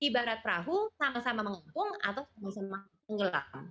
ibarat perahu sama sama mengumpung atau sama sama menggelam